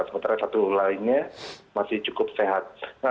sementara satu lainnya masih cukup sehat